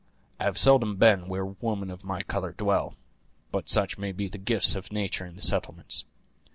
I have seldom been where women of my color dwell; but such may be the gifts of nature in the settlements.